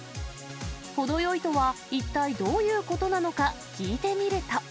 ほどよいとは、一体どういうことなのか聞いてみると。